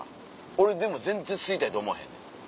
俺でも全然吸いたいと思わへんねん。